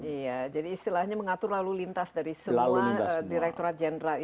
iya jadi istilahnya mengatur lalu lintas dari semua direkturat jenderal